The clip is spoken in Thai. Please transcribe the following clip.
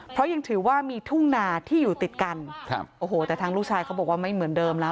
เพราะยังถือว่ามีทุ่งนาที่อยู่ติดกันครับโอ้โหแต่ทางลูกชายเขาบอกว่าไม่เหมือนเดิมแล้ว